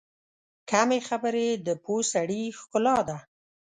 کمې خبرې، د پوه سړي ښکلا ده.